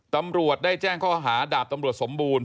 ตำรวจได้แจ้งข้อหาดาบตำรวจสมบูรณ